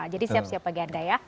jadi siap siap bagian daya